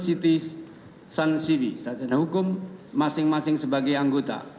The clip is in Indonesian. siti sansiri sarjana hukum masing masing sebagai anggota